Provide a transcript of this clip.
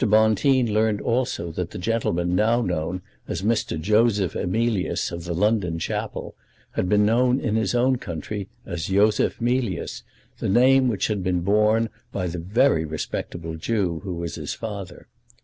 Bonteen learned also that the gentleman now known as Mr. Joseph Emilius of the London Chapel had been known in his own country as Yosef Mealyus, the name which had been borne by the very respectable Jew who was his father.